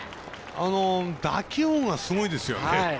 打球音がすごいですよね。